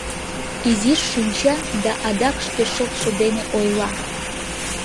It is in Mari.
Изиш шинча да адак шке шолшо дене ойла: